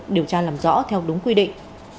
điều tra làm rõ theo đúng quy định